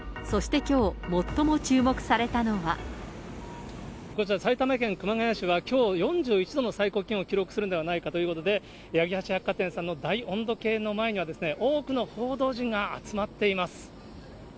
そしてきょう、こちら、埼玉県熊谷市は、きょう４１度の最高気温を記録するんではないかということで、八木橋百貨店さんの大温度計の前には、多くの報道陣が集まっています。